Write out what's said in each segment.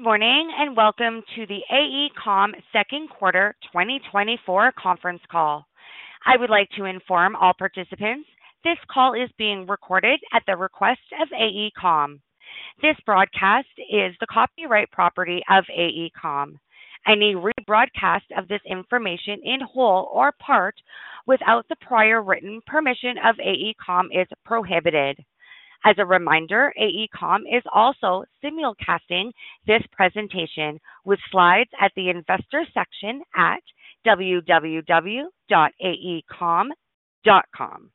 Good morning and welcome to the AECOM Second Quarter 2024 conference call. I would like to inform all participants this call is being recorded at the request of AECOM. This broadcast is the copyright property of AECOM. Any rebroadcast of this information in whole or part without the prior written permission of AECOM is prohibited. As a reminder, AECOM is also simulcasting this presentation with slides at the investor section at www.aecom.com.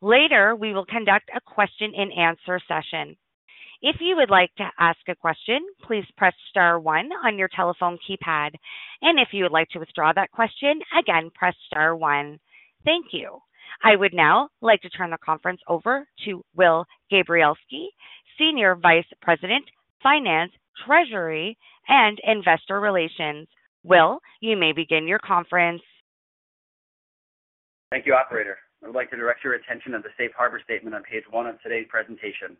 Later we will conduct a question-and-answer session. If you would like to ask a question, please press star one on your telephone keypad, and if you would like to withdraw that question, again press star one. Thank you. I would now like to turn the conference over to Will Gabrielski, Senior Vice President, Finance, Treasury, and Investor Relations. Will, you may begin your conference. Thank you, Operator. I would like to direct your attention to the Safe Harbor Statement on page 1 of today's presentation.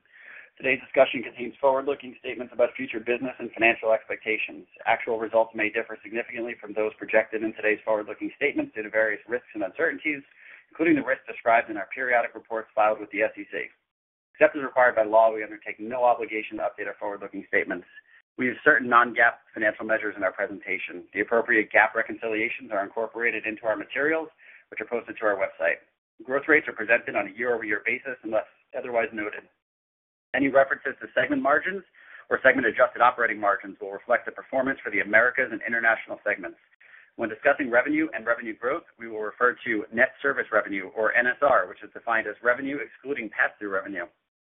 Today's discussion contains forward-looking statements about future business and financial expectations. Actual results may differ significantly from those projected in today's forward-looking statements due to various risks and uncertainties, including the risks described in our periodic reports filed with the SEC. Except as required by law, we undertake no obligation to update our forward-looking statements. We use certain non-GAAP financial measures in our presentation. The appropriate GAAP reconciliations are incorporated into our materials, which are posted to our website. Growth rates are presented on a year-over-year basis unless otherwise noted. Any references to segment margins or segment-adjusted operating margins will reflect the performance for the Americas and International segments. When discussing revenue and revenue growth, we will refer to net service revenue, or NSR, which is defined as revenue excluding pass-through revenue.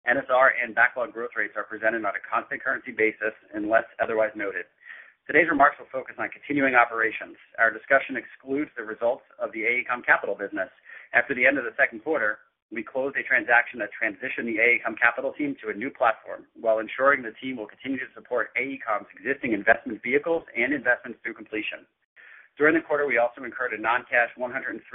NSR and backlog growth rates are presented on a constant currency basis unless otherwise noted. Today's remarks will focus on continuing operations. Our discussion excludes the results of the AECOM Capital business. After the end of the second quarter, we closed a transaction that transitioned the AECOM Capital team to a new platform while ensuring the team will continue to support AECOM's existing investment vehicles and investments through completion. During the quarter, we also incurred a non-cash $103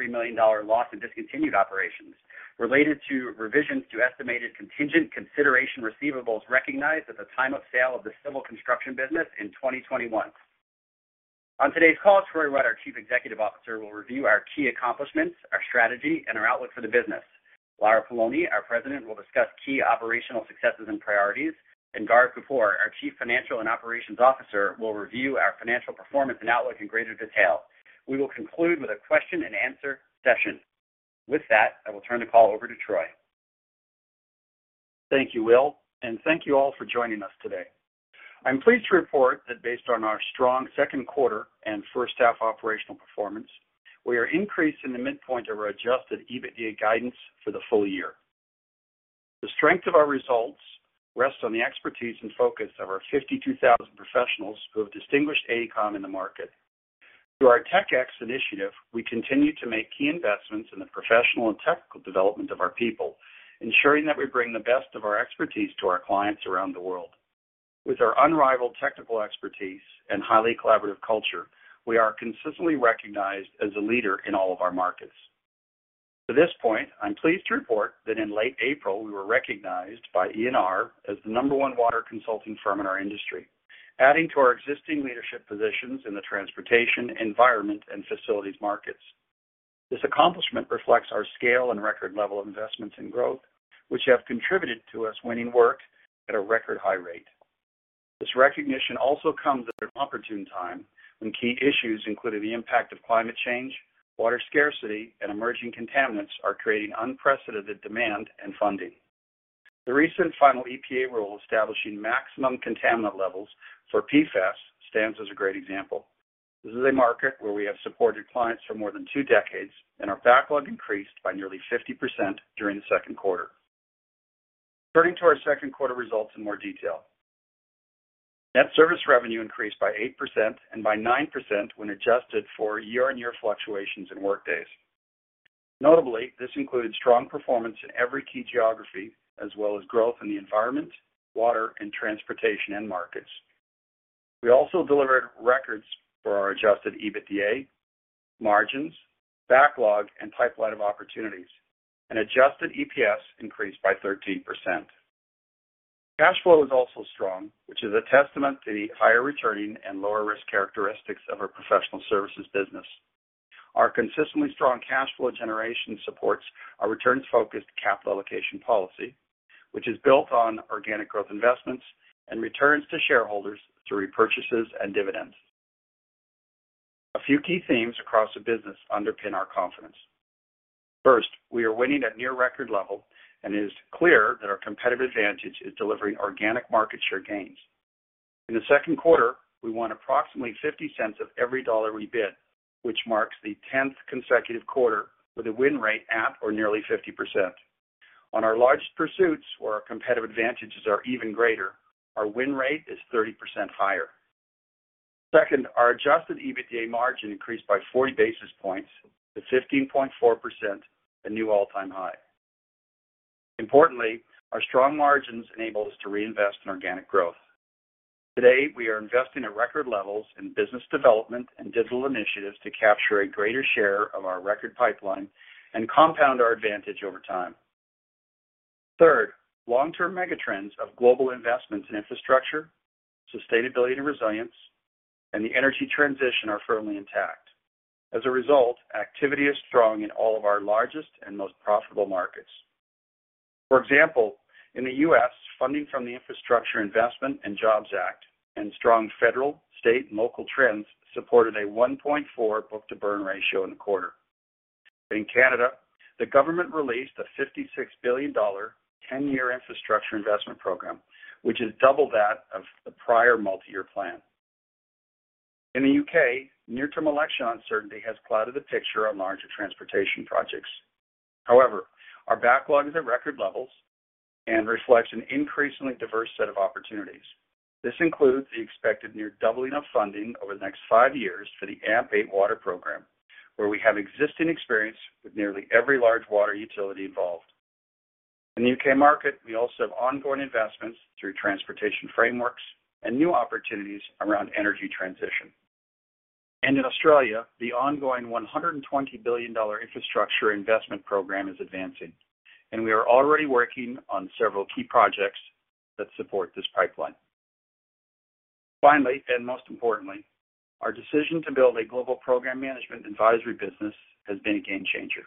million loss in discontinued operations related to revisions to estimated contingent consideration receivables recognized at the time of sale of the civil construction business in 2021. On today's call, Troy Rudd, our Chief Executive Officer, will review our key accomplishments, our strategy, and our outlook for the business. Lara Poloni, our President, will discuss key operational successes and priorities, and Gaurav Kapoor, our Chief Financial and Operations Officer, will review our financial performance and outlook in greater detail. We will conclude with a question-and-answer session. With that, I will turn the call over to Troy. Thank you, Will, and thank you all for joining us today. I'm pleased to report that based on our strong second quarter and first half operational performance, we are increased in the midpoint of our Adjusted EBITDA guidance for the full year. The strength of our results rests on the expertise and focus of our 52,000 professionals who have distinguished AECOM in the market. Through our TechX initiative, we continue to make key investments in the professional and technical development of our people, ensuring that we bring the best of our expertise to our clients around the world. With our unrivaled technical expertise and highly collaborative culture, we are consistently recognized as a leader in all of our markets. To this point, I'm pleased to report that in late April, we were recognized by ENR as the number one water consulting firm in our industry, adding to our existing leadership positions in the transportation, environment, and facilities markets. This accomplishment reflects our scale and record level of investments and growth, which have contributed to us winning work at a record high rate. This recognition also comes at an opportune time when key issues including the impact of climate change, water scarcity, and emerging contaminants are creating unprecedented demand and funding. The recent final EPA rule establishing maximum contaminant levels for PFAS stands as a great example. This is a market where we have supported clients for more than two decades, and our backlog increased by nearly 50% during the second quarter. Turning to our second quarter results in more detail. Net Service Revenue increased by 8% and by 9% when adjusted for year-over-year fluctuations in workdays. Notably, this included strong performance in every key geography as well as growth in the environment, water, and transportation end markets. We also delivered records for our Adjusted EBITDA, margins, backlog, and pipeline of opportunities, and Adjusted EPS increased by 13%. Cash flow is also strong, which is a testament to the higher returning and lower risk characteristics of our professional services business. Our consistently strong cash flow generation supports our returns-focused capital allocation policy, which is built on organic growth investments and returns to shareholders through repurchases and dividends. A few key themes across the business underpin our confidence. First, we are winning at near-record level, and it is clear that our competitive advantage is delivering organic market share gains. In the second quarter, we won approximately $0.50 of every dollar we bid, which marks the 10th consecutive quarter with a win rate at or nearly 50%. On our largest pursuits, where our competitive advantages are even greater, our win rate is 30% higher. Second, our Adjusted EBITDA margin increased by 40 basis points to 15.4%, a new all-time high. Importantly, our strong margins enable us to reinvest in organic growth. Today, we are investing at record levels in business development and digital initiatives to capture a greater share of our record pipeline and compound our advantage over time. Third, long-term megatrends of global investments in infrastructure, sustainability, and resilience, and the energy transition are firmly intact. As a result, activity is strong in all of our largest and most profitable markets. For example, in the U.S., funding from the Infrastructure Investment and Jobs Act and strong federal, state, and local trends supported a 1.4 book-to-burn ratio in the quarter. In Canada, the government released a $56 billion 10-year infrastructure investment program, which is double that of the prior multi-year plan. In the U.K., near-term election uncertainty has clouded the picture on larger transportation projects. However, our backlog is at record levels and reflects an increasingly diverse set of opportunities. This includes the expected near doubling of funding over the next five years for the AMP8 water program, where we have existing experience with nearly every large water utility involved. In the U.K. market, we also have ongoing investments through transportation frameworks and new opportunities around energy transition. In Australia, the ongoing $120 billion infrastructure investment program is advancing, and we are already working on several key projects that support this pipeline. Finally, and most importantly, our decision to build a global program management advisory business has been a game-changer.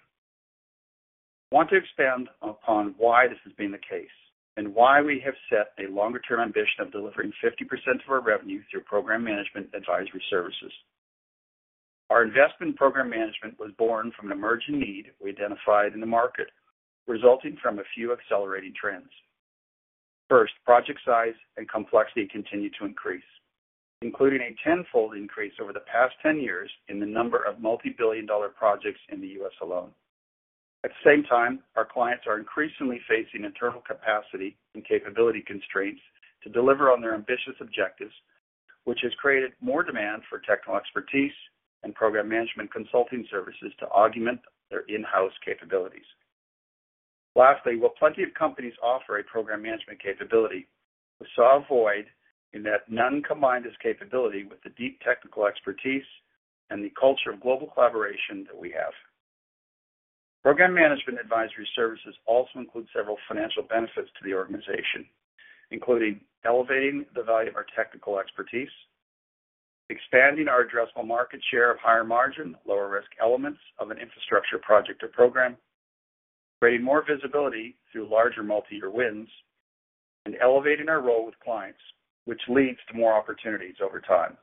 I want to expand upon why this has been the case and why we have set a longer-term ambition of delivering 50% of our revenue through program management advisory services. Our investment program management was born from an emerging need we identified in the market, resulting from a few accelerating trends. First, project size and complexity continue to increase, including a tenfold increase over the past 10 years in the number of multi-billion dollar projects in the U.S. alone. At the same time, our clients are increasingly facing internal capacity and capability constraints to deliver on their ambitious objectives, which has created more demand for technical expertise and program management consulting services to augment their in-house capabilities. Lastly, while plenty of companies offer a program management capability, we saw a void in that none combined this capability with the deep technical expertise and the culture of global collaboration that we have. Program management advisory services also include several financial benefits to the organization, including elevating the value of our technical expertise, expanding our addressable market share of higher margin, lower risk elements of an infrastructure project or program, creating more visibility through larger multi-year wins, and elevating our role with clients, which leads to more opportunities over time.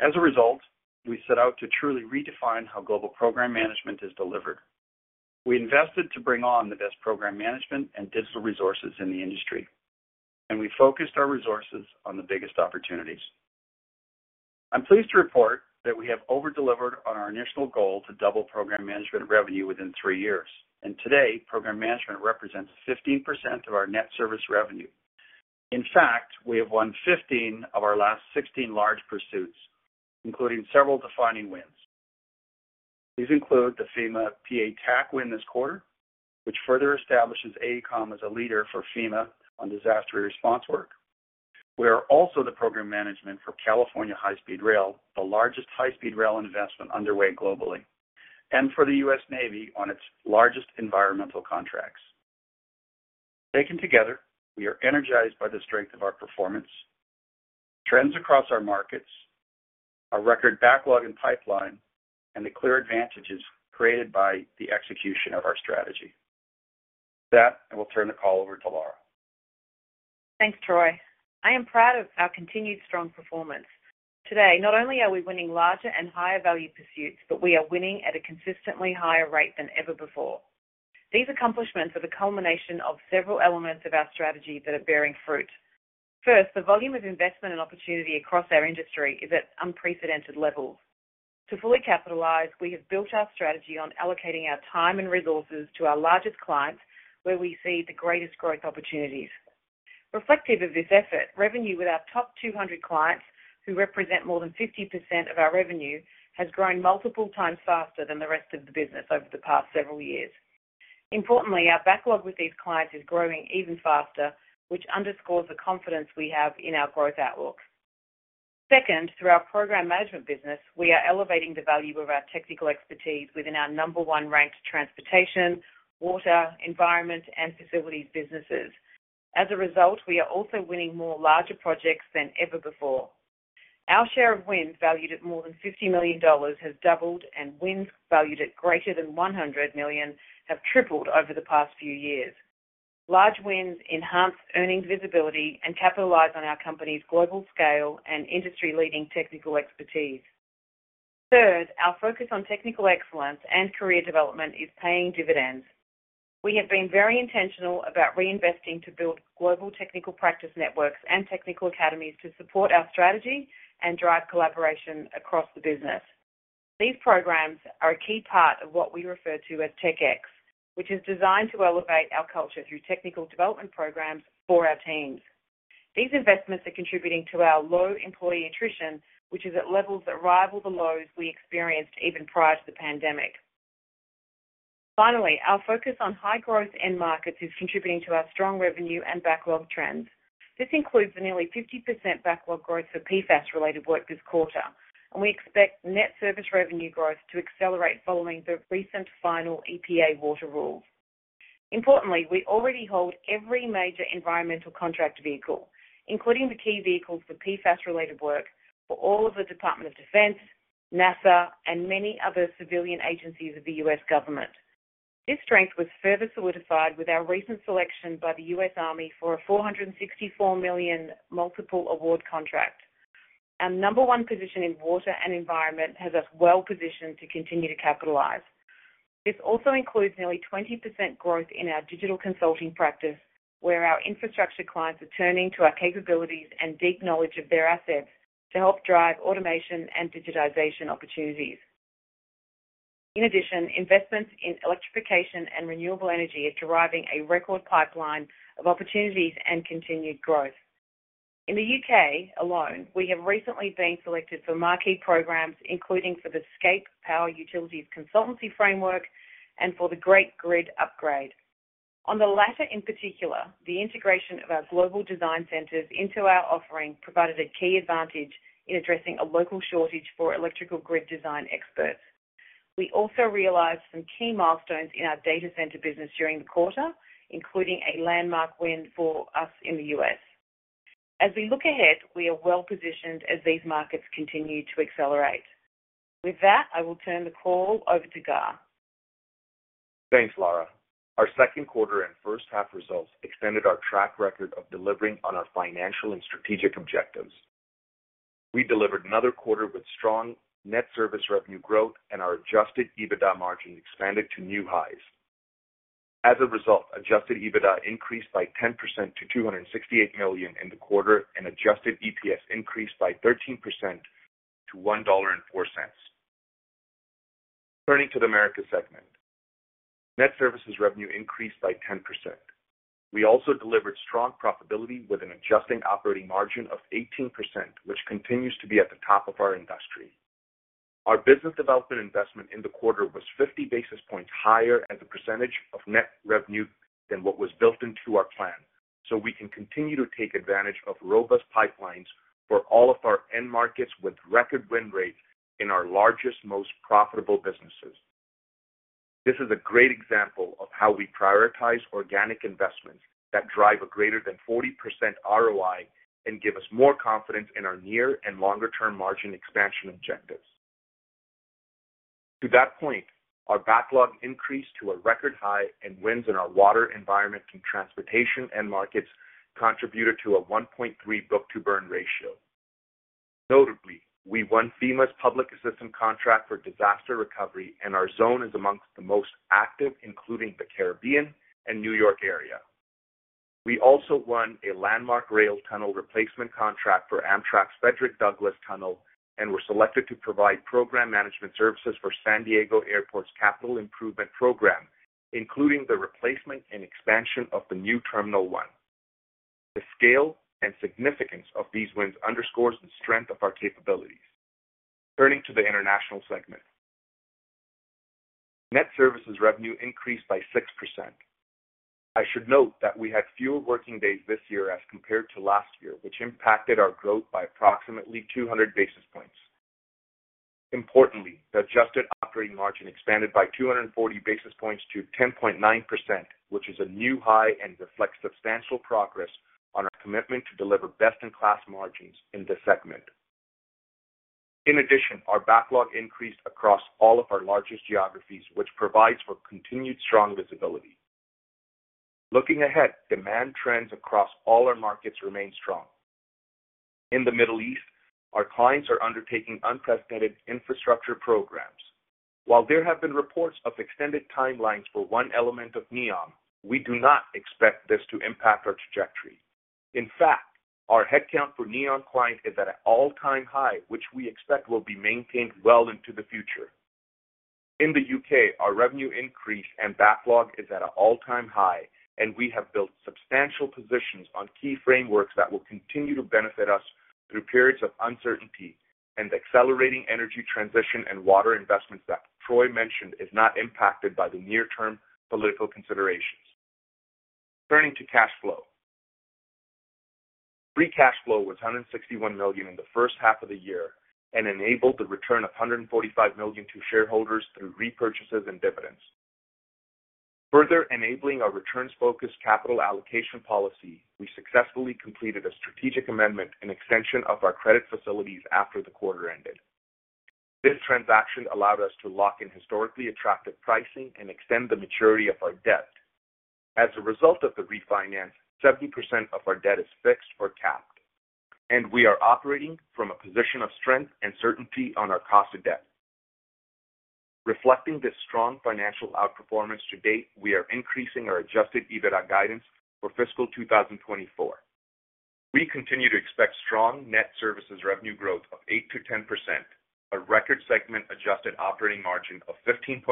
As a result, we set out to truly redefine how global program management is delivered. We invested to bring on the best program management and digital resources in the industry, and we focused our resources on the biggest opportunities. I'm pleased to report that we have overdelivered on our initial goal to double program management revenue within three years, and today, program management represents 15% of our net service revenue. In fact, we have won 15 of our last 16 large pursuits, including several defining wins. These include the FEMA PA TAC win this quarter, which further establishes AECOM as a leader for FEMA on disaster response work. We are also the program management for California High-Speed Rail, the largest high-speed rail investment underway globally, and for the U.S. Navy on its largest environmental contracts. Taken together, we are energized by the strength of our performance, trends across our markets, our record backlog and pipeline, and the clear advantages created by the execution of our strategy. With that, I will turn the call over to Lara. Thanks, Troy. I am proud of our continued strong performance. Today, not only are we winning larger and higher value pursuits, but we are winning at a consistently higher rate than ever before. These accomplishments are the culmination of several elements of our strategy that are bearing fruit. First, the volume of investment and opportunity across our industry is at unprecedented levels. To fully capitalize, we have built our strategy on allocating our time and resources to our largest clients, where we see the greatest growth opportunities. Reflective of this effort, revenue with our top 200 clients, who represent more than 50% of our revenue, has grown multiple times faster than the rest of the business over the past several years. Importantly, our backlog with these clients is growing even faster, which underscores the confidence we have in our growth outlook. Second, through our Program Management business, we are elevating the value of our technical expertise within our number one ranked transportation, water, environment, and facilities businesses. As a result, we are also winning larger projects than ever before. Our share of wins valued at more than $50 million has doubled, and wins valued at greater than $100 million have tripled over the past few years. Large wins enhance earnings visibility and capitalize on our company's global scale and industry-leading technical expertise. Third, our focus on technical excellence and career development is paying dividends. We have been very intentional about reinvesting to build global Technical Practice Networks and Technical Academies to support our strategy and drive collaboration across the business. These programs are a key part of what we refer to as TechX, which is designed to elevate our culture through technical development programs for our teams. These investments are contributing to our low employee attrition, which is at levels that rival the lows we experienced even prior to the pandemic. Finally, our focus on high growth end markets is contributing to our strong revenue and backlog trends. This includes the nearly 50% backlog growth for PFAS-related work this quarter, and we expect net service revenue growth to accelerate following the recent final EPA water rules. Importantly, we already hold every major environmental contract vehicle, including the key vehicles for PFAS-related work for all of the Department of Defense, NASA, and many other civilian agencies of the U.S. government. This strength was further solidified with our recent selection by the U.S. Army for a $464 million multiple award contract. Our number one position in water and environment has us well positioned to continue to capitalize. This also includes nearly 20% growth in our digital consulting practice, where our infrastructure clients are turning to our capabilities and deep knowledge of their assets to help drive automation and digitization opportunities. In addition, investments in electrification and renewable energy are driving a record pipeline of opportunities and continued growth. In the U.K. alone, we have recently been selected for marquee programs, including for the SCAPE Power Utilities Consultancy Framework and for the Great Grid Upgrade. On the latter in particular, the integration of our global design centers into our offering provided a key advantage in addressing a local shortage for electrical grid design experts. We also realized some key milestones in our data center business during the quarter, including a landmark win for us in the U.S. As we look ahead, we are well positioned as these markets continue to accelerate. With that, I will turn the call over to Gaurav. Thanks, Lara. Our second quarter and first half results extended our track record of delivering on our financial and strategic objectives. We delivered another quarter with strong net service revenue growth, and our Adjusted EBITDA margin expanded to new highs. As a result, Adjusted EBITDA increased by 10% to $268 million in the quarter, and Adjusted EPS increased by 13% to $1.04. Turning to the Americas segment, net service revenue increased by 10%. We also delivered strong profitability with an adjusted operating margin of 18%, which continues to be at the top of our industry. Our business development investment in the quarter was 50 basis points higher as a percentage of net revenue than what was built into our plan, so we can continue to take advantage of robust pipelines for all of our end markets with record win rates in our largest, most profitable businesses. This is a great example of how we prioritize organic investments that drive a greater than 40% ROI and give us more confidence in our near and longer-term margin expansion objectives. To that point, our backlog increased to a record high, and wins in our water, environment, and transportation end markets contributed to a 1.3 book-to-burn ratio. Notably, we won FEMA's Public Assistance contract for disaster recovery, and our zone is among the most active, including the Caribbean and New York area. We also won a landmark rail tunnel replacement contract for Amtrak's Frederick Douglass Tunnel, and were selected to provide program management services for San Diego Airport's capital improvement program, including the replacement and expansion of the new Terminal 1. The scale and significance of these wins underscores the strength of our capabilities. Turning to the international segment, net services revenue increased by 6%. I should note that we had fewer working days this year as compared to last year, which impacted our growth by approximately 200 basis points. Importantly, the adjusted operating margin expanded by 240 basis points to 10.9%, which is a new high and reflects substantial progress on our commitment to deliver best-in-class margins in this segment. In addition, our backlog increased across all of our largest geographies, which provides for continued strong visibility. Looking ahead, demand trends across all our markets remain strong. In the Middle East, our clients are undertaking unprecedented infrastructure programs. While there have been reports of extended timelines for one element of NEOM, we do not expect this to impact our trajectory. In fact, our headcount for NEOM clients is at an all-time high, which we expect will be maintained well into the future. In the U.K., our revenue increase and backlog is at an all-time high, and we have built substantial positions on key frameworks that will continue to benefit us through periods of uncertainty and accelerating energy transition and water investments that Troy mentioned is not impacted by the near-term political considerations. Turning to cash flow, free cash flow was $161 million in the first half of the year and enabled the return of $145 million to shareholders through repurchases and dividends. Further enabling our returns-focused capital allocation policy, we successfully completed a strategic amendment and extension of our credit facilities after the quarter ended. This transaction allowed us to lock in historically attractive pricing and extend the maturity of our debt. As a result of the refinance, 70% of our debt is fixed or capped, and we are operating from a position of strength and certainty on our cost of debt. Reflecting this strong financial outperformance to date, we are increasing our Adjusted EBITDA guidance for fiscal 2024. We continue to expect strong net services revenue growth of 8%-10%, a record segment adjusted operating margin of 15.6%,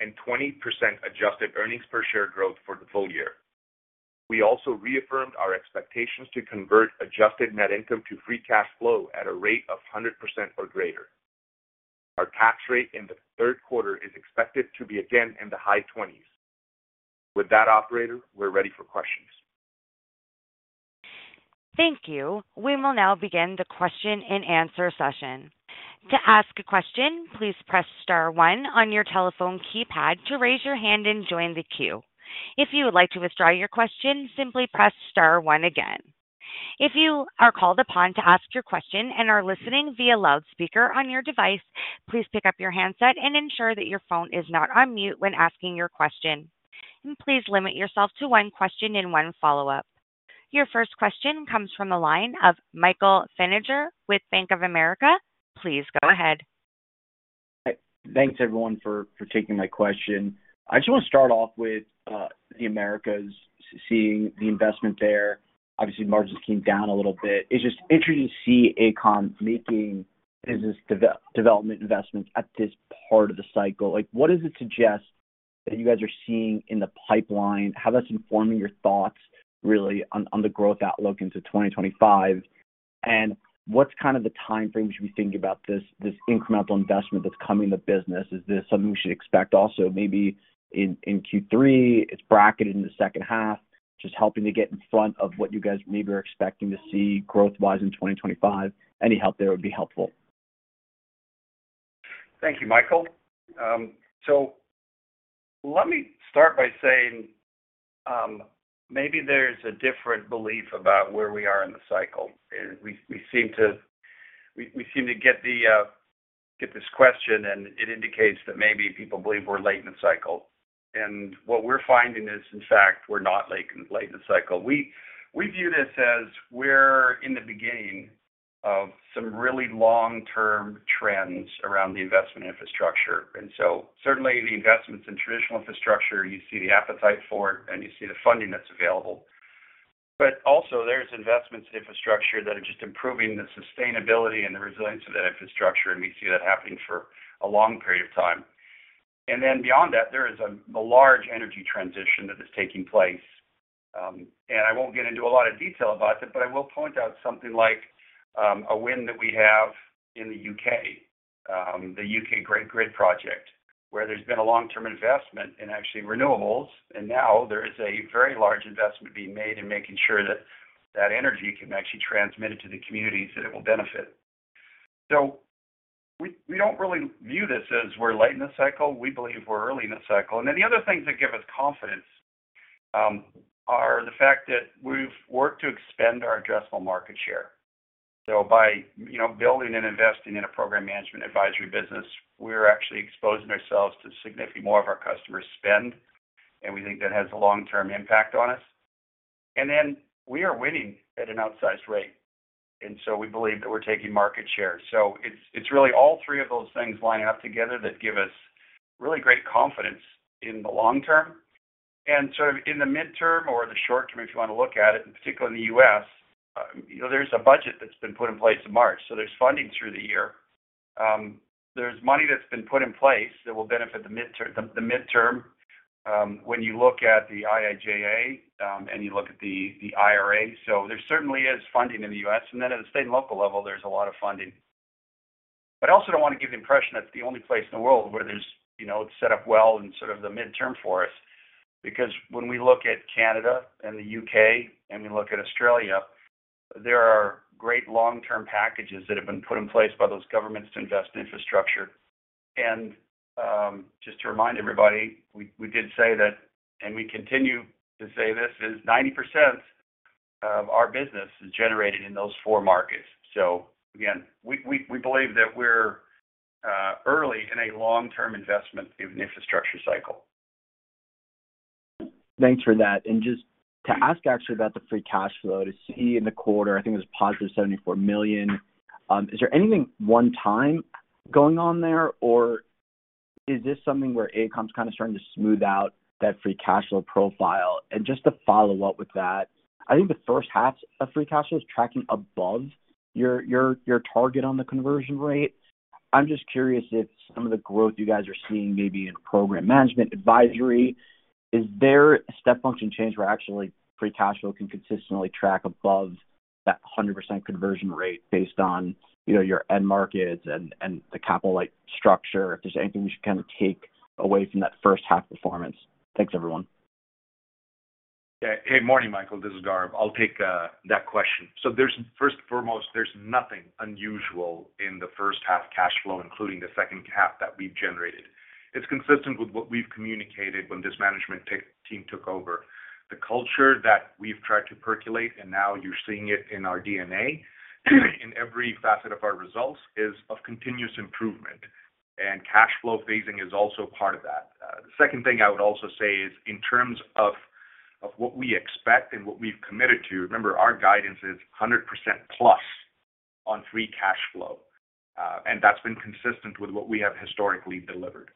and 20% adjusted earnings per share growth for the full year. We also reaffirmed our expectations to convert adjusted net income to free cash flow at a rate of 100% or greater. Our tax rate in the third quarter is expected to be again in the high 20s. With that, operator, we're ready for questions. Thank you. We will now begin the question-and-answer session. To ask a question, please press star one on your telephone keypad to raise your hand and join the queue. If you would like to withdraw your question, simply press star one again. If you are called upon to ask your question and are listening via loudspeaker on your device, please pick up your handset and ensure that your phone is not on mute when asking your question. Please limit yourself to one question and one follow-up. Your first question comes from the line of Michael Feniger with Bank of America. Please go ahead. Hi. Thanks, everyone, for taking my question. I just want to start off with the Americas, seeing the investment there. Obviously, margins came down a little bit. It's just interesting to see AECOM making business development investments at this part of the cycle. What does it suggest that you guys are seeing in the pipeline? How that's informing your thoughts, really, on the growth outlook into 2025? What's kind of the timeframe we should be thinking about this incremental investment that's coming to business? Is this something we should expect also maybe in Q3? It's bracketed in the second half. Just helping to get in front of what you guys maybe are expecting to see growth-wise in 2025. Any help there would be helpful. Thank you, Michael. Let me start by saying maybe there's a different belief about where we are in the cycle. We seem to get this question, and it indicates that maybe people believe we're late in the cycle. What we're finding is, in fact, we're not late in the cycle. We view this as we're in the beginning of some really long-term trends around the investment infrastructure. Certainly, the investments in traditional infrastructure, you see the appetite for it, and you see the funding that's available. Also, there's investments in infrastructure that are just improving the sustainability and the resilience of that infrastructure, and we see that happening for a long period of time. Then beyond that, there is a large energy transition that is taking place. I won't get into a lot of detail about it, but I will point out something like a win that we have in the U.K., the U.K. Great Grid Upgrade, where there's been a long-term investment in actually renewables, and now there is a very large investment being made in making sure that that energy can actually transmit it to the communities that it will benefit. We don't really view this as we're late in the cycle. We believe we're early in the cycle. Then the other things that give us confidence are the fact that we've worked to expand our addressable market share. By building and investing in a program management advisory business, we're actually exposing ourselves to significantly more of our customers' spend, and we think that has a long-term impact on us. Then we are winning at an outsized rate. We believe that we're taking market share. it's really all three of those things lining up together that give us really great confidence in the long term. Sort of in the midterm or the short term, if you want to look at it, in particular in the U.S., there's a budget that's been put in place in March. There's funding through the year. There's money that's been put in place that will benefit the midterm. When you look at the IIJA and you look at the IRA, so there certainly is funding in the U.S. Then at the state and local level, there's a lot of funding. I also don't want to give the impression that's the only place in the world where it's set up well in sort of the midterm for us. Because when we look at Canada and the U.K. and we look at Australia, there are great long-term packages that have been put in place by those governments to invest in infrastructure. Just to remind everybody, we did say that, and we continue to say this, is 90% of our business is generated in those four markets. Again, we believe that we're early in a long-term investment in the infrastructure cycle. Thanks for that. Just to ask, actually, about the free cash flow, to see in the quarter, I think it was positive $74 million. Is there anything one-time going on there, or is this something where AECOM's kind of starting to smooth out that free cash flow profile? Just to follow up with that, I think the first half of free cash flow is tracking above your target on the conversion rate? I'm just curious if some of the growth you guys are seeing maybe in program management advisory, is there a step function change where actually free cash flow can consistently track above that 100% conversion rate based on your end markets and the capital structure? If there's anything we should kind of take away from that first half performance. Thanks, everyone. Yeah. Hey, morning, Michael. This is Gaurav. I'll take that question. First and foremost, there's nothing unusual in the first half cash flow, including the second half, that we've generated. It's consistent with what we've communicated when this management team took over. The culture that we've tried to percolate, and now you're seeing it in our DNA in every facet of our results, is of continuous improvement. Cash flow phasing is also part of that. The second thing I would also say is, in terms of what we expect and what we've committed to, remember, our guidance is 100%+ on free cash flow. That's been consistent with what we have historically delivered.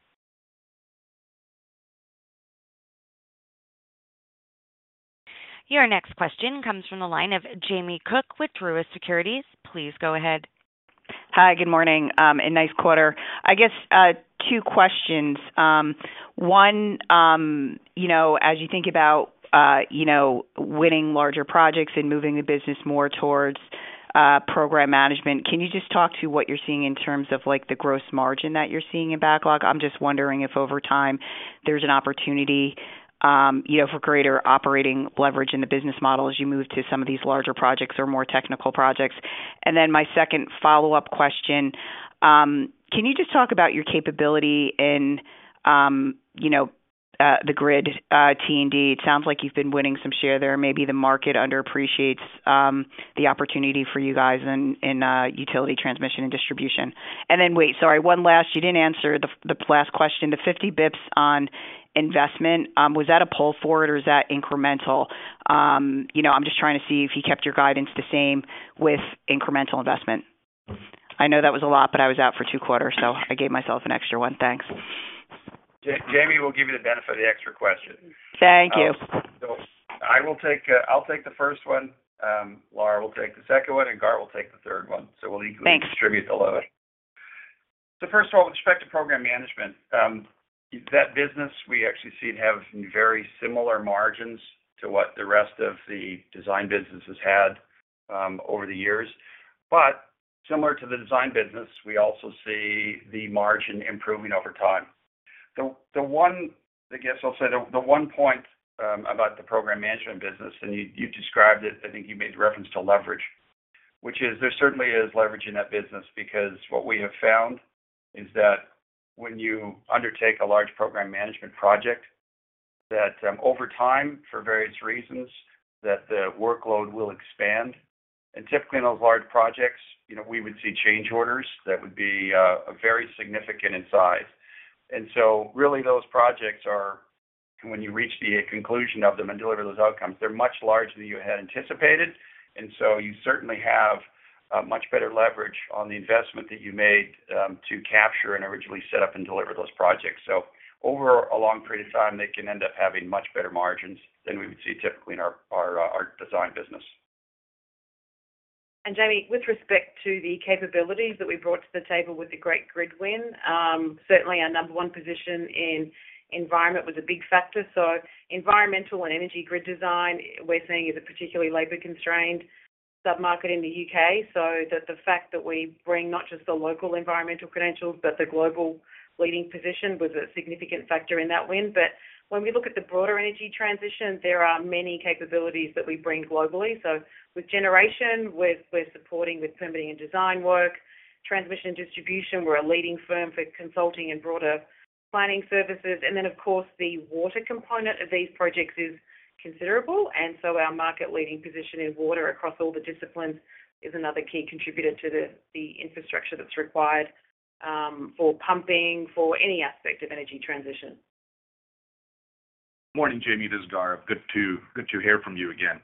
Your next question comes from the line of Jamie Cook with Truist Securities. Please go ahead. Hi. Good morning. A nice quarter. I guess two questions. One, as you think about winning larger projects and moving the business more towards program management, can you just talk to what you're seeing in terms of the gross margin that you're seeing in backlog? I'm just wondering if over time there's an opportunity for greater operating leverage in the business model as you move to some of these larger projects or more technical projects. Then my second follow-up question, can you just talk about your capability in the grid T&D? It sounds like you've been winning some share there. Maybe the market underappreciates the opportunity for you guys in utility transmission and distribution. Then wait, sorry, one last. You didn't answer the last question. The 50 basis points on investment, was that a pull forward, or is that incremental? I'm just trying to see if he kept your guidance the same with incremental investment. I know that was a lot, but I was out for two quarters, so I gave myself an extra one. Thanks. Jamie will give you the benefit of the extra question. Thank you. I'll take the first one. Lara will take the second one, and Gaur will take the third one. We'll equally distribute the load. Thanks. First of all, with respect to program management, that business, we actually see it have very similar margins to what the rest of the design business has had over the years. Similar to the design business, we also see the margin improving over time. The one, I guess I'll say, the one point about the program management business, and you described it. I think you made reference to leverage, which is there certainly is leverage in that business because what we have found is that when you undertake a large program management project, that over time, for various reasons, the workload will expand. Typically, in those large projects, we would see change orders that would be very significant in size. Really, those projects are, when you reach the conclusion of them and deliver those outcomes, they're much larger than you had anticipated. You certainly have much better leverage on the investment that you made to capture and originally set up and deliver those projects. Over a long period of time, they can end up having much better margins than we would see typically in our design business. Jamie, with respect to the capabilities that we brought to the table with the Great Grid win, certainly our number one position in environment was a big factor. Environmental and energy grid design, we're seeing, is a particularly labor-constrained submarket in the U.K. The fact that we bring not just the local environmental credentials but the global leading position was a significant factor in that win. When we look at the broader energy transition, there are many capabilities that we bring globally. With generation, we're supporting with permitting and design work. Transmission and distribution, we're a leading firm for consulting and broader planning services. Then, of course, the water component of these projects is considerable. Our market-leading position in water across all the disciplines is another key contributor to the infrastructure that's required for pumping, for any aspect of energy transition. Morning, Jamie. This is Gaurav. Good to hear from you again.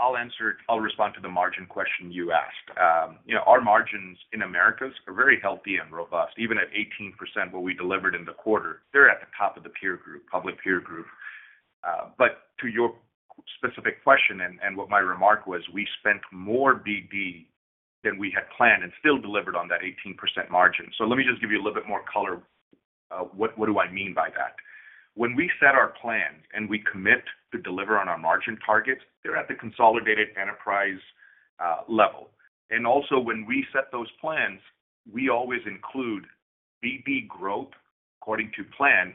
I'll respond to the margin question you asked. Our margins in Americas are very healthy and robust. Even at 18%, what we delivered in the quarter, they're at the top of the peer group, public peer group. To your specific question and what my remark was, we spent more BD than we had planned and still delivered on that 18% margin. Let me just give you a little bit more color. What do I mean by that? When we set our plans and we commit to deliver on our margin targets, they're at the consolidated enterprise level. Also, when we set those plans, we always include BD growth according to plan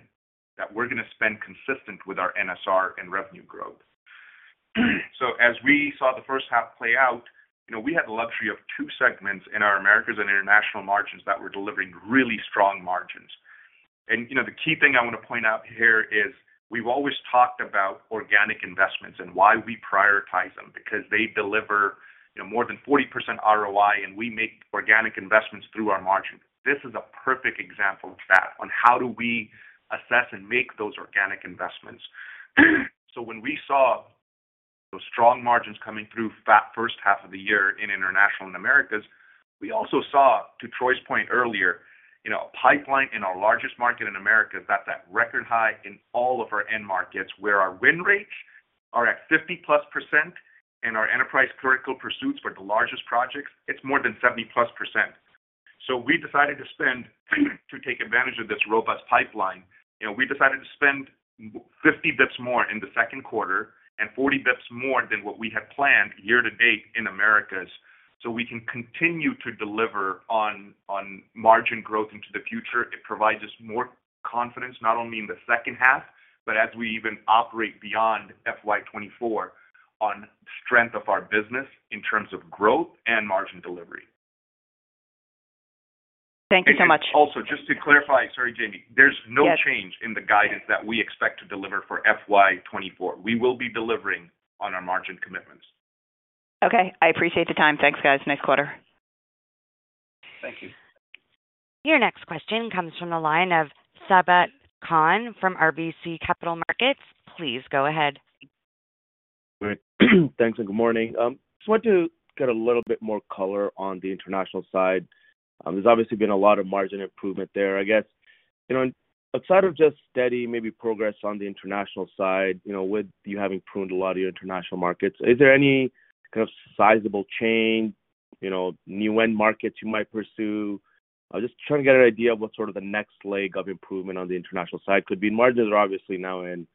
that we're going to spend consistent with our NSR and revenue growth. As we saw the first half play out, we had the luxury of two segments in our Americas and International margins that were delivering really strong margins. The key thing I want to point out here is we've always talked about organic investments and why we prioritize them because they deliver more than 40% ROI, and we make organic investments through our margin. This is a perfect example of that, on how do we assess and make those organic investments. When we saw those strong margins coming through first half of the year in International and Americas, we also saw, to Troy's point earlier, a pipeline in our largest market in Americas, that's at record high in all of our end markets where our win rates are at 50%+. Our enterprise critical pursuits for the largest projects, it's more than 70%+. We decided to spend to take advantage of this robust pipeline, we decided to spend 50 bps more in the second quarter and 40 bps more than what we had planned year to date in Americas so we can continue to deliver on margin growth into the future. It provides us more confidence, not only in the second half, but as we even operate beyond FY 2024 on the strength of our business in terms of growth and margin delivery. Thank you so much. Also, just to clarify, sorry, Jamie, there's no change in the guidance that we expect to deliver for FY 2024. We will be delivering on our margin commitments. Okay. I appreciate the time. Thanks, guys. Nice quarter. Thank you. Your next question comes from the line of Sabahat Khan from RBC Capital Markets. Please go ahead. Thanks and good morning. I just want to get a little bit more color on the international side. There's obviously been a lot of margin improvement there. I guess outside of just steady maybe progress on the international side with you having pruned a lot of your international markets, is there any kind of sizable change, new end markets you might pursue? I'm just trying to get an idea of what sort of the next leg of improvement on the international side could be. Margins are obviously now in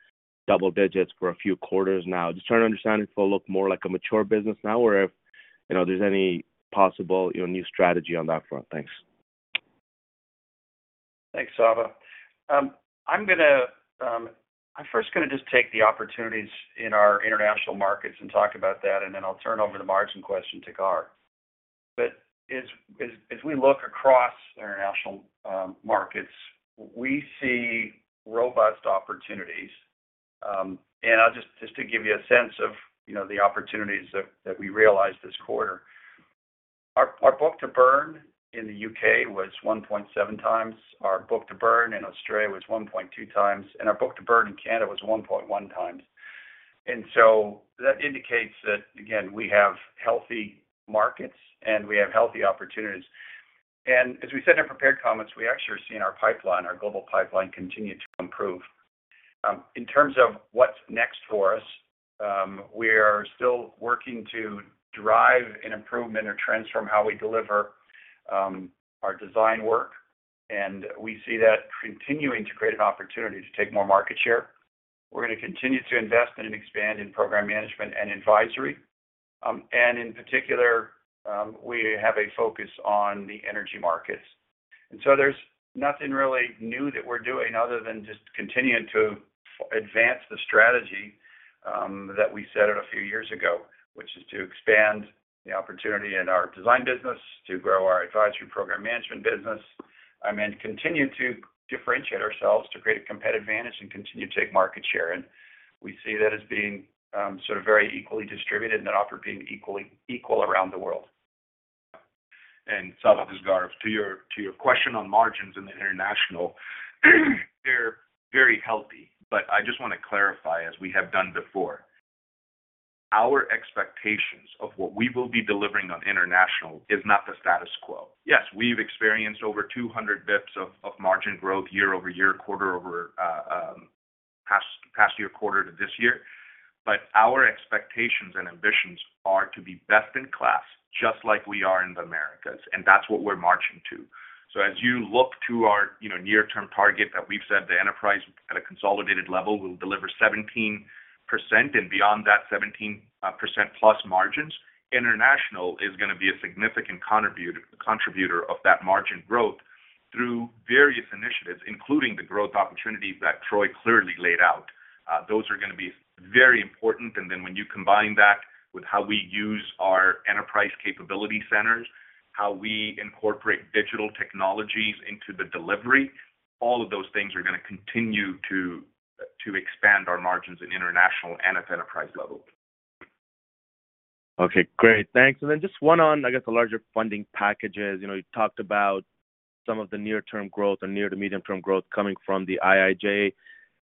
double digits for a few quarters now. Just trying to understand if it'll look more like a mature business now or if there's any possible new strategy on that front. Thanks. Thanks, Sabahat. I'm first going to just take the opportunities in our international markets and talk about that, and then I'll turn over the margin question to Gaurav. As we look across international markets, we see robust opportunities. Just to give you a sense of the opportunities that we realized this quarter, our book-to-burn in the U.K. was 1.7x. Our book-to-burn in Australia was 1.2x. Our book-to-burn in Canada was 1.1x. That indicates that, again, we have healthy markets and we have healthy opportunities. As we said in our prepared comments, we actually are seeing our pipeline, our global pipeline, continue to improve. In terms of what's next for us, we are still working to drive an improvement or transform how we deliver our design work. We see that continuing to create an opportunity to take more market share. We're going to continue to invest and expand in program management and advisory. In particular, we have a focus on the energy markets. There's nothing really new that we're doing other than just continuing to advance the strategy that we set out a few years ago, which is to expand the opportunity in our design business, to grow our advisory program management business. I mean, continue to differentiate ourselves to create a competitive advantage and continue to take market share. We see that as being sort of very equally distributed and that offer being equal around the world. Sabahat, this is Gaurav. To your question on margins in the international, they're very healthy. I just want to clarify, as we have done before, our expectations of what we will be delivering on international is not the status quo. Yes, we've experienced over 200 bps of margin growth year-over-year, quarter over past year, quarter to this year. Our expectations and ambitions are to be best in class just like we are in the Americas. That's what we're marching to. As you look to our near-term target that we've said, the enterprise at a consolidated level will deliver 17% and beyond that 17%+ margins, international is going to be a significant contributor of that margin growth through various initiatives, including the growth opportunities that Troy clearly laid out. Those are going to be very important. Then when you combine that with how we use our enterprise capability centers, how we incorporate digital technologies into the delivery, all of those things are going to continue to expand our margins in international and at enterprise level. Okay. Great. Thanks. Then just one on, I guess, the larger funding packages. You talked about some of the near-term growth or near- to medium-term growth coming from the IIJA.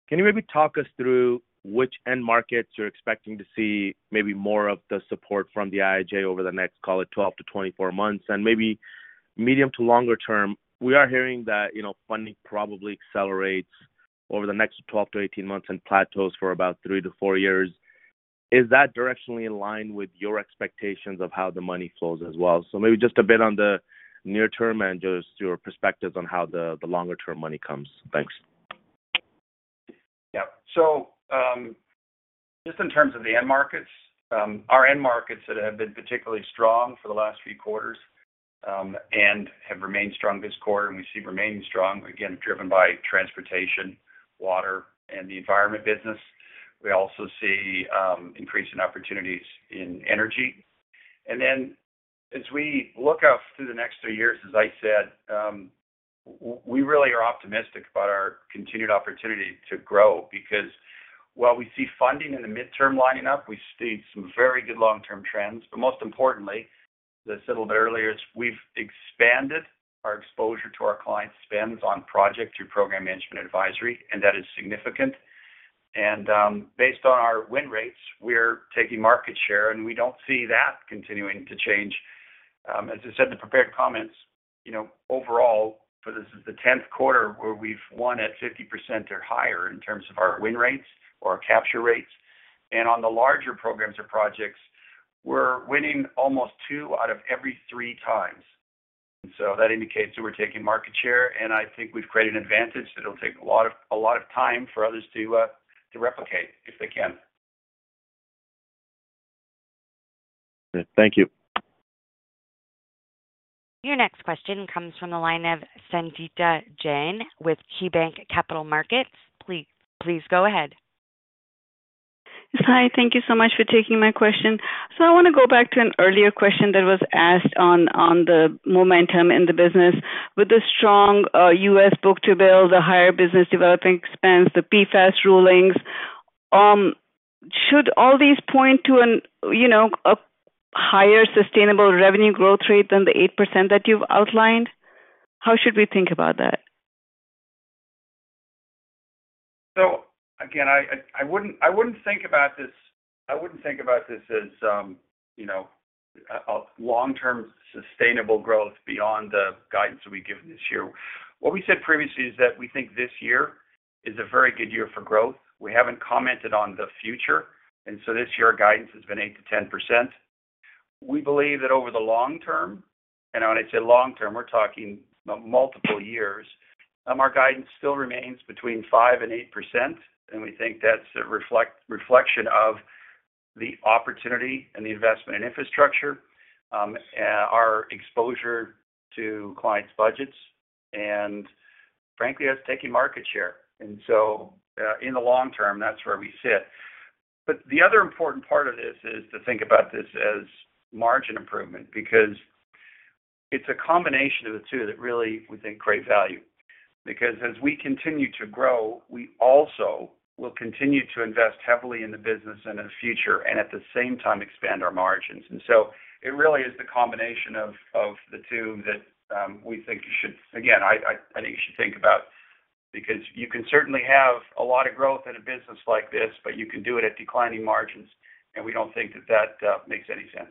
Can you maybe talk us through which end markets you're expecting to see maybe more of the support from the IIJA over the next, call it, 12-24 months? Maybe medium- to longer-term, we are hearing that funding probably accelerates over the next 12 months-18 months and plateaus for about 3 years-4 years. Is that directionally in line with your expectations of how the money flows as well? Maybe just a bit on the near-term and just your perspectives on how the longer-term money comes? Thanks. Yeah. Just in terms of the end markets, our end markets that have been particularly strong for the last few quarters and have remained strong this quarter, and we see remaining strong, again, driven by transportation, water, and the environment business. We also see increasing opportunities in energy. Then as we look up through the next three years, as I said, we really are optimistic about our continued opportunity to grow because, while we see funding in the midterm lining up, we see some very good long-term trends. Most importantly, as I said a little bit earlier, we've expanded our exposure to our clients' spends on project through program management advisory, and that is significant. Based on our win rates, we're taking market share, and we don't see that continuing to change. As I said in the prepared comments, overall, this is the 10th quarter where we've won at 50% or higher in terms of our win rates or our capture rates. On the larger programs or projects, we're winning almost 2x out of every 3x. That indicates that we're taking market share. I think we've created an advantage that it'll take a lot of time for others to replicate if they can. Good. Thank you. Your next question comes from the line of Sangita Jain with KeyBanc Capital Markets. Please go ahead. Hi. Thank you so much for taking my question. I want to go back to an earlier question that was asked on the momentum in the business. With the strong U.S. book-to-burn, the higher business developing expense, the PFAS rulings, should all these point to a higher sustainable revenue growth rate than the 8% that you've outlined? How should we think about that? Again, I wouldn't think about this as long-term sustainable growth beyond the guidance that we've given this year. What we said previously is that we think this year is a very good year for growth. We haven't commented on the future. This year, our guidance has been 8%-10%. We believe that over the long term and when I say long term, we're talking multiple years, our guidance still remains between 5%-8%. We think that's a reflection of the opportunity and the investment in infrastructure, our exposure to clients' budgets, and frankly, us taking market share. In the long term, that's where we sit. The other important part of this is to think about this as margin improvement because it's a combination of the two that really we think create value. Because as we continue to grow, we also will continue to invest heavily in the business and in the future and at the same time expand our margins. It really is the combination of the two that we think you should again, I think you should think about because you can certainly have a lot of growth in a business like this, but you can do it at declining margins. We don't think that that makes any sense.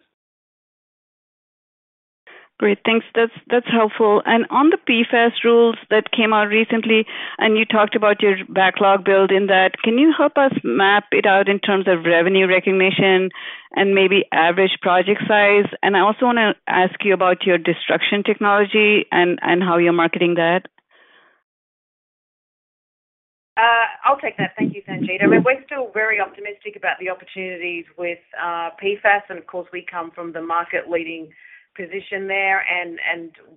Great. Thanks. That's helpful. On the PFAS rules that came out recently, and you talked about your backlog build in that, can you help us map it out in terms of revenue recognition and maybe average project size? I also want to ask you about your destruction technology and how you're marketing that? I'll take that. Thank you, Sangita. I mean, we're still very optimistic about the opportunities with PFAS. Of course, we come from the market-leading position there.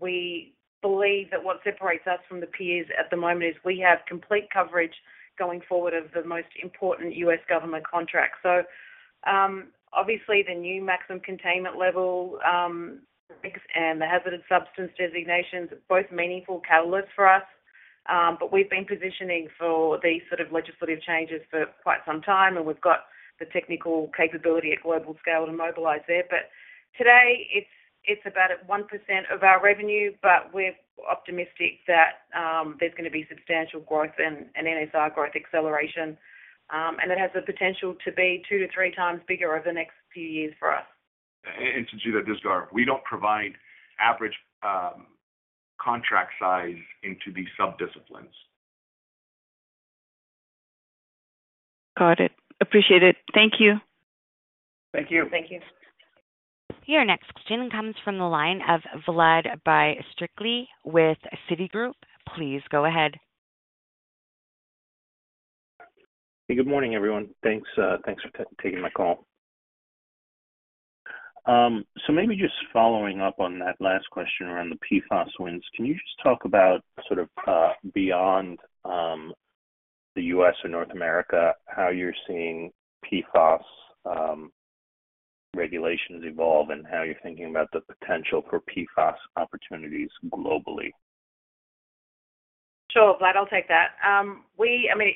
We believe that what separates us from the peers at the moment is we have complete coverage going forward of the most important U.S. government contracts. Obviously, the new maximum contaminant level and the hazardous substance designations, both meaningful catalysts for us. We've been positioning for these sort of legislative changes for quite some time, and we've got the technical capability at global scale to mobilize there. Today, it's about 1% of our revenue, but we're optimistic that there's going to be substantial growth and NSR growth acceleration. It has the potential to be 2x-3x bigger over the next few years for us. To Sangita, this is Gaurav. We don't provide average contract size into these subdisciplines. Got it. Appreciate it. Thank you. Thank you. Thank you. Your next question comes from the line of Vlad Bystricky with Citigroup. Please go ahead. Hey, good morning, everyone. Thanks for taking my call. Maybe just following up on that last question around the PFAS wins, can you just talk about sort of beyond the U.S., or North America, how you're seeing PFAS regulations evolve and how you're thinking about the potential for PFAS opportunities globally? Sure, Vlad, I'll take that. I mean,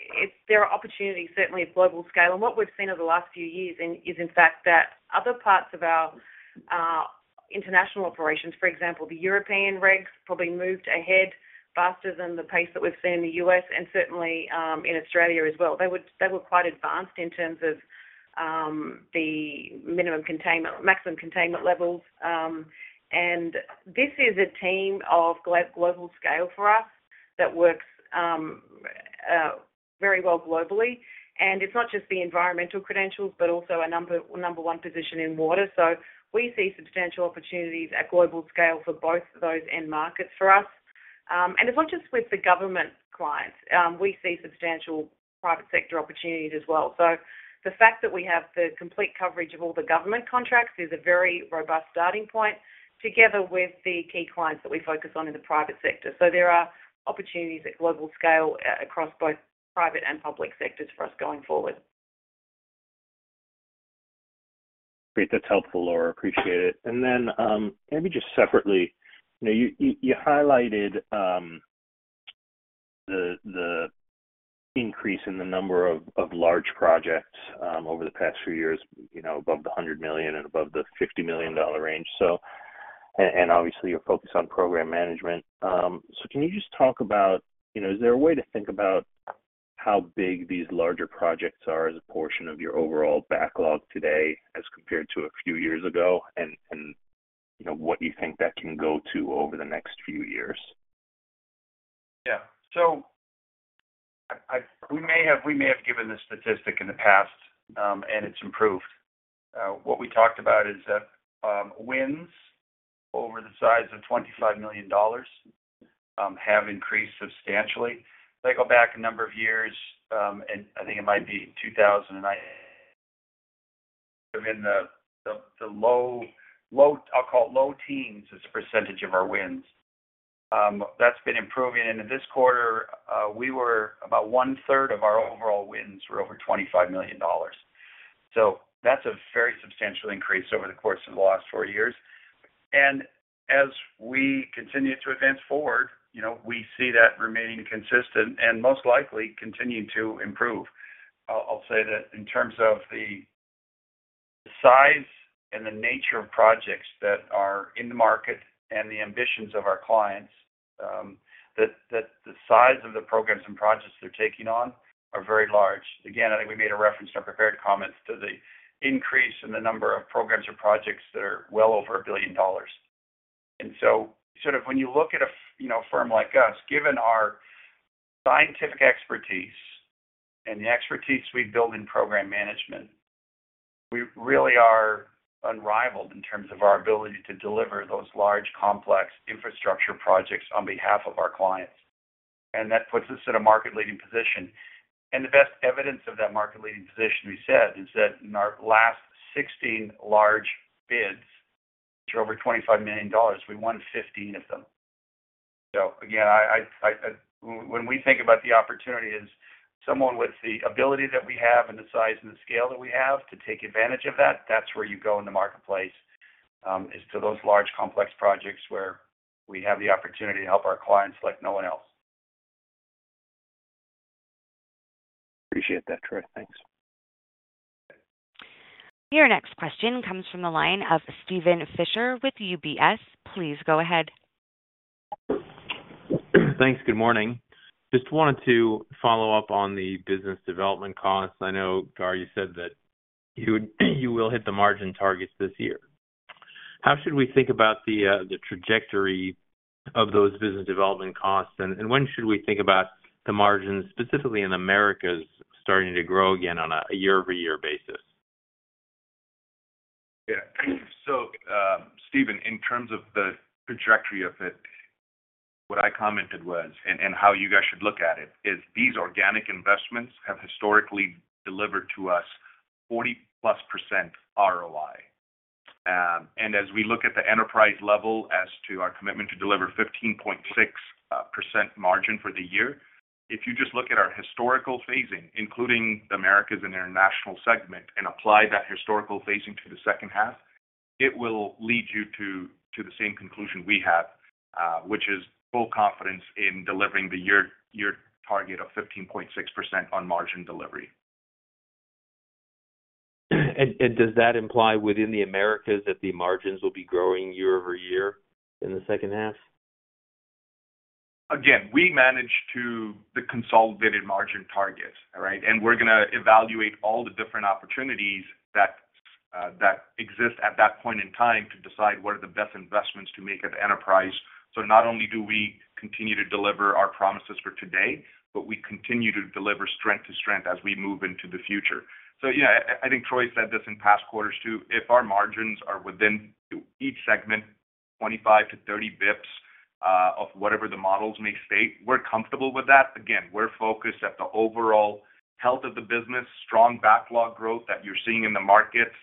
there are opportunities, certainly at global scale. What we've seen over the last few years is, in fact, that other parts of our international operations, for example, the European regs probably moved ahead faster than the pace that we've seen in the U.S. and certainly in Australia as well. They were quite advanced in terms of the minimum contaminant, maximum contaminant levels. And this is a team of global scale for us that works very well globally. It's not just the environmental credentials but also a number one position in water. We see substantial opportunities at global scale for both of those end markets for us. It's not just with the government clients. We see substantial private sector opportunities as well. The fact that we have the complete coverage of all the government contracts is a very robust starting point together with the key clients that we focus on in the private sector. There are opportunities at global scale across both private and public sectors for us going forward. Great. That's helpful, Lara. Appreciate it. Then maybe just separately, you highlighted the increase in the number of large projects over the past few years, above the $100 million and above the $50 million range. Obviously, your focus on program management. Can you just talk about is there a way to think about how big these larger projects are as a portion of your overall backlog today as compared to a few years ago and what you think that can go to over the next few years? Yeah. We may have given this statistic in the past, and it's improved. What we talked about is that wins over the size of $25 million have increased substantially. If I go back a number of years, and I think it might be 2009, we're in the low I'll call it low teens% as a percentage of our wins. That's been improving. In this quarter, about one-third of our overall wins were over $25 million. That's a very substantial increase over the course of the last four years. As we continue to advance forward, we see that remaining consistent and most likely continuing to improve. I'll say that in terms of the size and the nature of projects that are in the market and the ambitions of our clients, the size of the programs and projects they're taking on are very large. Again, I think we made a reference in our prepared comments to the increase in the number of programs or projects that are well over $1 billion. Sort of when you look at a firm like us, given our scientific expertise and the expertise we build in program management, we really are unrivaled in terms of our ability to deliver those large, complex infrastructure projects on behalf of our clients. That puts us in a market-leading position. The best evidence of that market-leading position, we said, is that in our last 16 large bids, which are over $25 million, we won 15 of them. Again, when we think about the opportunity as someone with the ability that we have and the size and the scale that we have to take advantage of that, that's where you go in the marketplace, is to those large, complex projects where we have the opportunity to help our clients like no one else. Appreciate that, Troy. Thanks. Your next question comes from the line of Steven Fisher with UBS. Please go ahead. Thanks. Good morning. Just wanted to follow up on the business development costs. I know, Gaur, you said that you will hit the margin targets this year. How should we think about the trajectory of those business development costs? When should we think about the margins, specifically in Americas starting to grow again on a year-over-year basis? Yeah. Steven, in terms of the trajectory of it, what I commented was and how you guys should look at it is these organic investments have historically delivered to us 40+% ROI. As we look at the enterprise level as to our commitment to deliver 15.6% margin for the year, if you just look at our historical phasing, including the Americas and International segment. Apply that historical phasing to the second half, it will lead you to the same conclusion we have, which is full confidence in delivering the year-target of 15.6% on margin delivery. Does that imply within the Americas that the margins will be growing year-over-year in the second half? Again, we manage to the consolidated margin target, right? We're going to evaluate all the different opportunities that exist at that point in time to decide what are the best investments to make at enterprise. Not only do we continue to deliver our promises for today, but we continue to deliver strength to strength as we move into the future. I think Troy said this in past quarters too. If our margins are within each segment, 25 bps-30 bps of whatever the models may state, we're comfortable with that. Again, we're focused at the overall health of the business, strong backlog growth that you're seeing in the markets.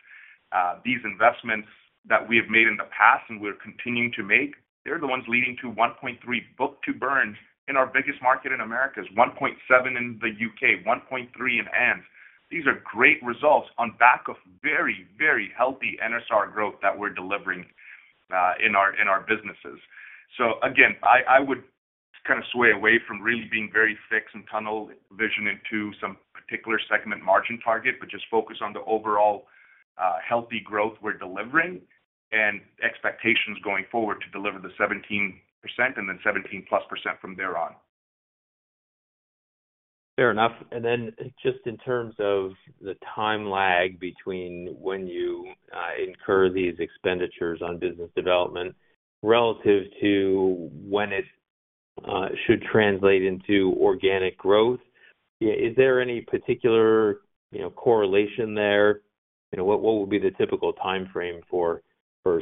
These investments that we have made in the past and we're continuing to make, they're the ones leading to 1.3 book-to-burn in our biggest market in Americas, 1.7 in the U.K., 1.3 in ANZ. These are great results on back of very, very healthy NSR growth that we're delivering in our businesses. Again, I would kind of sway away from really being very fixed and tunnel vision into some particular segment margin target, but just focus on the overall healthy growth we're delivering and expectations going forward to deliver the 17% and then 17%+ from there on. Fair enough. Then just in terms of the time lag between when you incur these expenditures on business development relative to when it should translate into organic growth, is there any particular correlation there? What would be the typical timeframe for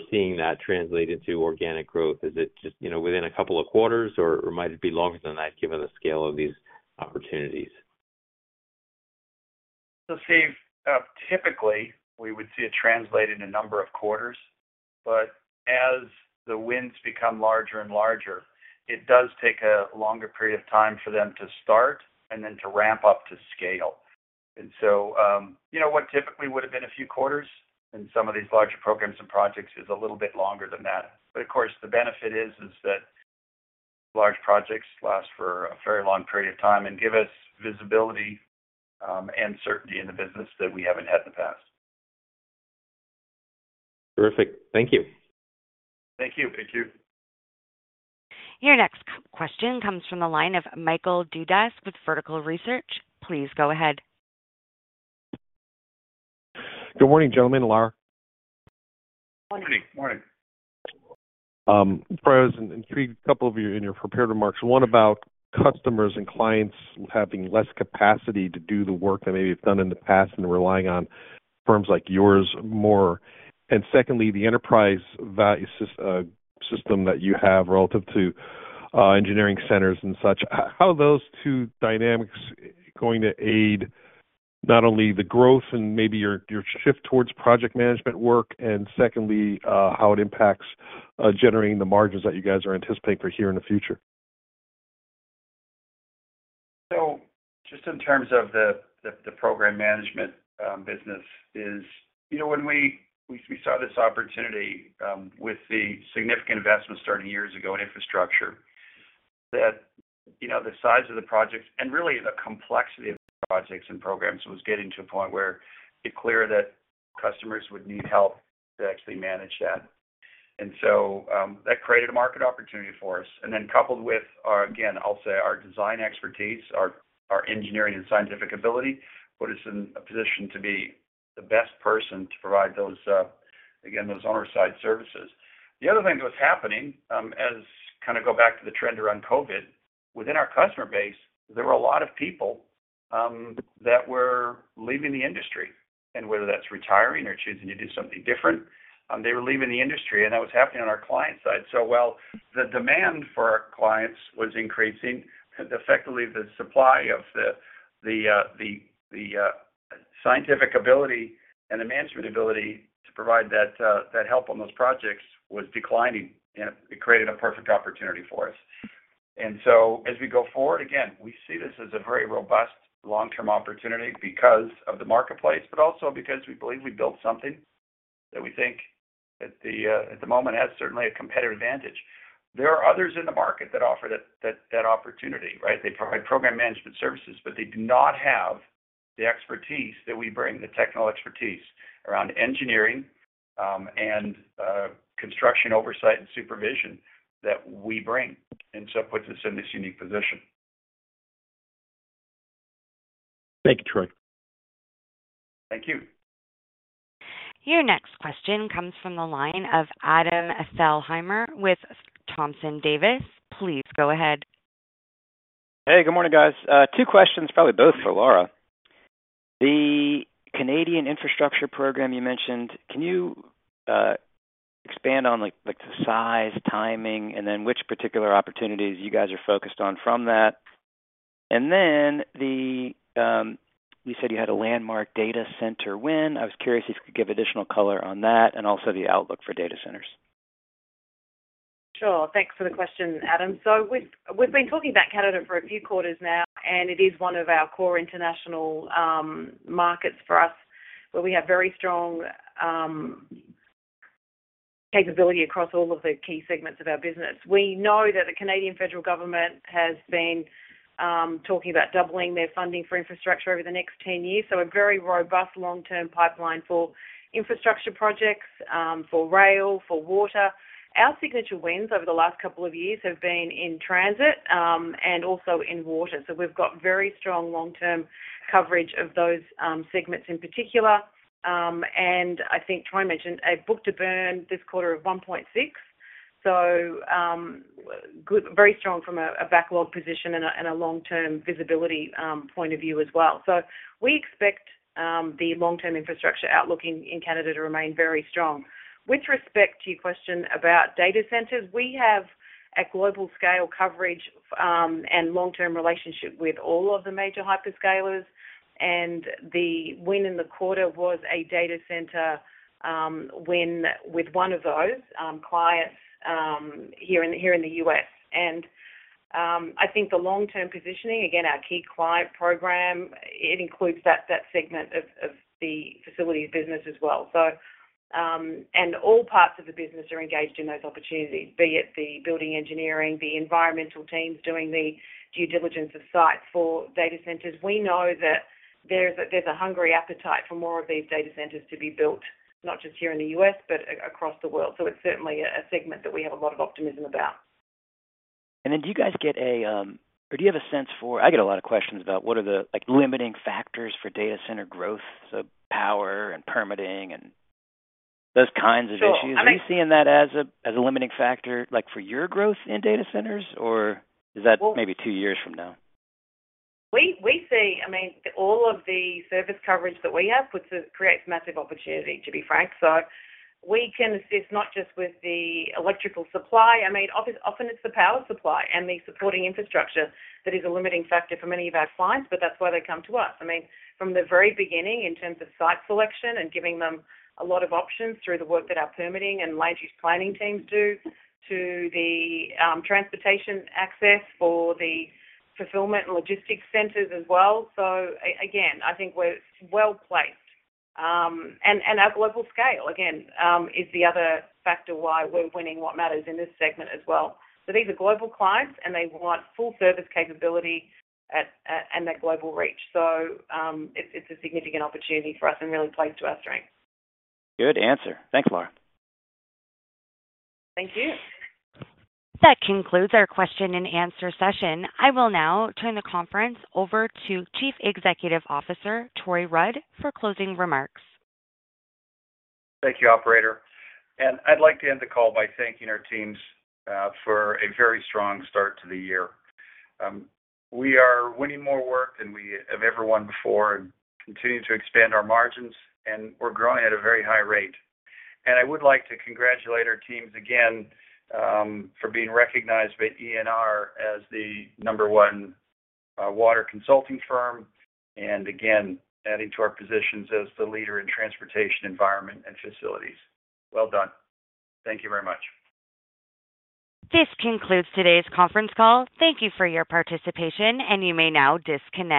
seeing that translate into organic growth? Is it just within a couple of quarters, or might it be longer than that given the scale of these opportunities? Typically, we would see it translate in a number of quarters. As the wins become larger and larger, it does take a longer period of time for them to start and then to ramp up to scale. What typically would have been a few quarters in some of these larger programs and projects is a little bit longer than that. Of course, the benefit is that large projects last for a very long period of time and give us visibility and certainty in the business that we haven't had in the past. Terrific. Thank you. Thank you. Thank you. Your next question comes from the line of Michael Dudas with Vertical Research. Please go ahead. Good morning, gentlemen, and Lara. Morning. Morning. Troy, I was intrigued by a couple of things in your prepared remarks, one about customers and clients having less capacity to do the work they maybe have done in the past and relying on firms like yours more. Secondly, the enterprise value system that you have relative to engineering centers and such, how are those two dynamics going to aid not only the growth and maybe your shift towards project management work? Secondly, how it impacts generating the margins that you guys are anticipating for here in the future? Just in terms of the program management business, when we saw this opportunity with the significant investment starting years ago in infrastructure, that the size of the projects and really the complexity of the projects and programs was getting to a point where it's clear that customers would need help to actually manage that. That created a market opportunity for us. Then coupled with, again, I'll say our design expertise, our engineering and scientific ability, put us in a position to be the best person to provide, again, those owner-side services. The other thing that was happening as kind of go back to the trend around COVID, within our customer base, there were a lot of people that were leaving the industry. Whether that's retiring or choosing to do something different, they were leaving the industry, and that was happening on our client side. While the demand for our clients was increasing, effectively, the supply of the scientific ability and the management ability to provide that help on those projects was declining. It created a perfect opportunity for us. As we go forward, again, we see this as a very robust long-term opportunity because of the marketplace, but also because we believe we built something that we think at the moment has certainly a competitive advantage. There are others in the market that offer that opportunity, right? They provide program management services, but they do not have the expertise that we bring, the technical expertise around engineering and construction oversight and supervision that we bring. It puts us in this unique position. Thank you, Troy. Thank you. Your next question comes from the line of Adam Thalhimer with Thompson Davis. Please go ahead. Hey, good morning, guys. Two questions, probably both for Lara. The Canadian infrastructure program you mentioned, can you expand on the size, timing, and then which particular opportunities you guys are focused on from that? Then you said you had a landmark data center win. I was curious if you could give additional color on that, and also the outlook for data centers? Sure. Thanks for the question, Adam. We've been talking about Canada for a few quarters now, and it is one of our core international markets for us where we have very strong capability across all of the key segments of our business. We know that the Canadian federal government has been talking about doubling their funding for infrastructure over the next 10 years. A very robust long-term pipeline for infrastructure projects, for rail, for water. Our signature wins over the last couple of years have been in transit and also in water. We've got very strong long-term coverage of those segments in particular. I think Troy mentioned a book-to-burn this quarter of 1.6. Very strong from a backlog position and a long-term visibility point of view as well. We expect the long-term infrastructure outlook in Canada to remain very strong. With respect to your question about data centers, we have a global-scale coverage and long-term relationship with all of the major hyperscalers. The win in the quarter was a data center win with one of those clients here in the U.S. I think the long-term positioning, again, our key client program, it includes that segment of the facilities business as well. All parts of the business are engaged in those opportunities, be it the building engineering, the environmental teams doing the due diligence of sites for data centers. We know that there's a hungry appetite for more of these data centers to be built, not just here in the U.S., but across the world. It's certainly a segment that we have a lot of optimism about. Do you guys have a sense for? I get a lot of questions about what are the limiting factors for data center growth, so power and permitting and those kinds of issues. Are you seeing that as a limiting factor for your growth in data centers, or is that maybe two years from now? We see, I mean, all of the service coverage that we have creates massive opportunity, to be frank. We can assist not just with the electrical supply. I mean, often, it's the power supply and the supporting infrastructure that is a limiting factor for many of our clients, but that's why they come to us. I mean, from the very beginning, in terms of site selection and giving them a lot of options through the work that our permitting and land use planning teams do, to the transportation access for the fulfillment and logistics centers as well. Again, I think we're well-placed. Our global scale, again, is the other factor why we're winning what matters in this segment as well. These are global clients, and they want full service capability and that global reach. It's a significant opportunity for us and really plays to our strengths. Good answer. Thanks, Lara. Thank you. That concludes our question-and-answer session. I will now turn the conference over to Chief Executive Officer Troy Rudd for closing remarks. Thank you, Operator. I'd like to end the call by thanking our teams for a very strong start to the year. We are winning more work than we have ever won before and continuing to expand our margins, and we're growing at a very high rate. I would like to congratulate our teams again for being recognized by ENR as the number one water consulting firm and again, adding to our positions as the leader in transportation, environment, and facilities. Well done. Thank you very much. This concludes today's conference call. Thank you for your participation, and you may now disconnect.